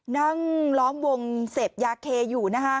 นั่งล้อมวงเสพยาเคย์อยู่